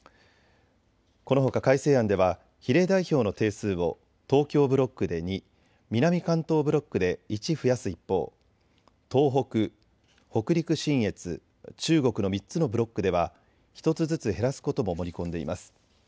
このほか改正案では比例代表の定数を東京ブロックで２、南関東ブロックで１増やす一方、東北、北陸信越、中国の３つのブロックでは１つずつ減らすことも盛り込んでいます。